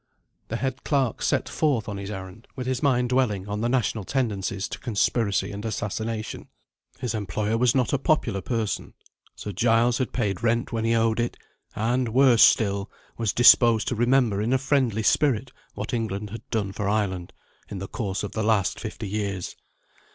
The head clerk set forth on his errand, with his mind dwelling on the national tendencies to conspiracy and assassination. His employer was not a popular person. Sir Giles had paid rent when he owed it; and, worse still, was disposed to remember in a friendly spirit what England had done for Ireland, in the course of the last fifty years.